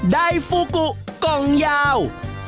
ใดฟูกุกล่องยาว